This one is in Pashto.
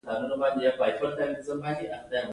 په فیوډالي نظام کې مؤلده ځواکونه غوره وو.